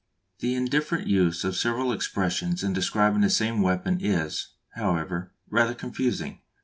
The indifferent use of several expressions in describing the same weapon is, however, rather confusing.